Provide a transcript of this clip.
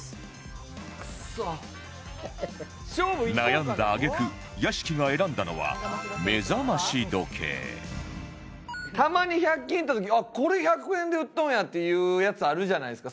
悩んだ揚げ句屋敷が選んだのはたまに１００均行った時あっこれ１００円で売っとんやっていうやつあるじゃないですか。